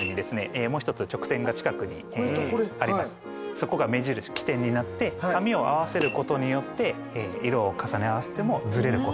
そこが起点になって紙を合わせることによって色を重ね合わせてもずれることがなく。